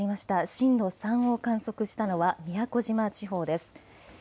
震度３を観測したのは宮古島地方です。